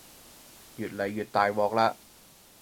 越嚟越大鑊喇